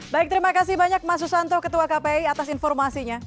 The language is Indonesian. baik terima kasih banyak mas susanto ketua kpi atas informasinya